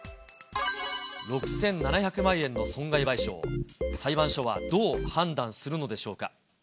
６７００万円の損害賠償、裁判所はどう判断するのでしょうか。